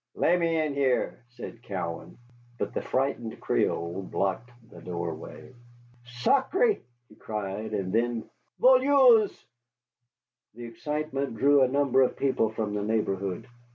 "Lemme in here," said Cowan. But the frightened Creole blocked the doorway. "Sacré!" he screamed, and then, "Voleurs!" The excitement drew a number of people from the neighborhood.